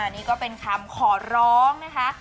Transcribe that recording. นี่ก็เป็นคำขอร้องนะคะ